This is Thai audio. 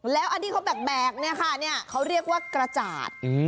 แล้วอันที่เขาแบกเนี่ยค่ะเขาเรียกว่ากระจาด